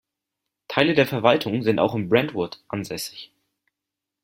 Teile der Verwaltung sind auch in Brentwood ansässig.